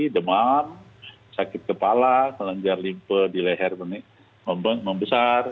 demam sakit kepala kelenjar limpe di leher membesar